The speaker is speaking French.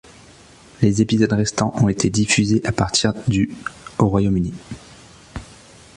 Les épisodes restants ont été diffusés à partir du au Royaume-Uni.